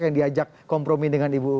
yang diajak kompromi dengan ibu u